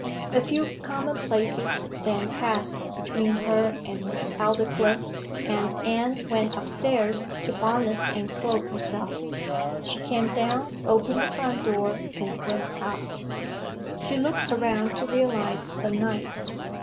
A few commonplaces then passed between her and Miss Aldclyffe, and Anne went upstairs to bonnet and cloak herself. She came down, opened the front door, and went out. She looked around to realize the night.